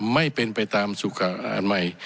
ไม่เป็นไปตามสุขการณ์ใหม่